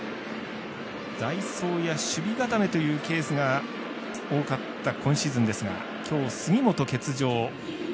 代走や守備固めというケースが多かった今シーズンですが今日、杉本、欠場。